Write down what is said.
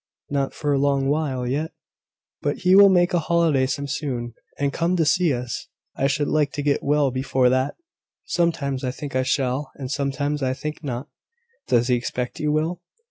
"Not for a long while yet: but he will make a holiday some time soon, and come to see us. I should like to get well before that. Sometimes I think I shall, and sometimes I think not." "Does he expect you will?"